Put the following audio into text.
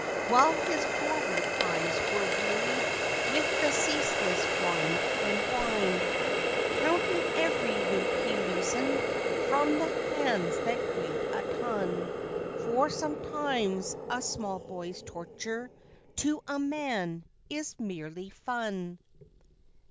While his forward eyes were wearied with the ceaseless wind and wind. Counting every loop he loosened from the hands that weighed a ton. For sometimes a small boy's torture to a man is merely fun.